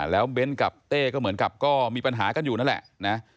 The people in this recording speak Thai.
แล้วเบ้นกับเต้ก็เหมือนกับก็มีปัญหากันอยู่นั่นแหละนะ